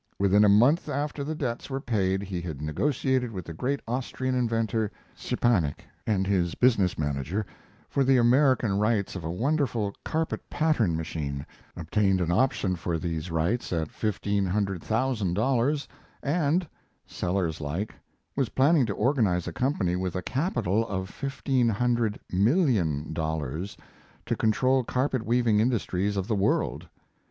Within a month after the debts were paid he had negotiated with the great Austrian inventor, Szczepanik, and his business manager for the American rights of a wonderful carpet pattern machine, obtained an option for these rights at fifteen hundred thousand dollars, and, Sellers like, was planning to organize a company with a capital of fifteen hundred million dollars to control carpet weaving industries of the world.